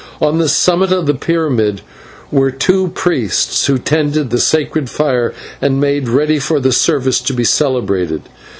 On the summit of the pyramid were two priests who tended the sacred fire and made ready for the service to be celebrated.